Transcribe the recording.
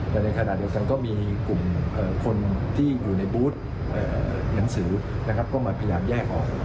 แต่ในขณะเดียวกันก็มีกลุ่มคนที่อยู่ในบูธหนังสือนะครับก็มาพยายามแยกออก